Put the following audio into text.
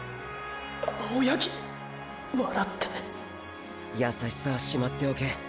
青八木笑って優しさはしまっておけ。